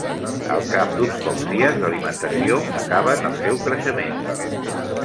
Al cap d'uns pocs dies d'alimentació, acaben el seu creixement.